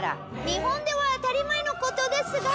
日本では当たり前のことですが。